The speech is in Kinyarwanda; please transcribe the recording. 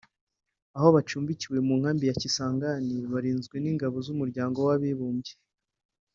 aho bacumbikiwe mu nkambi ya Kisangani barinzwe n’ingabo z’Umuryango w’Abibumbye